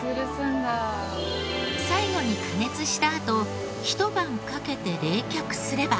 最後に加熱したあとひと晩かけて冷却すれば。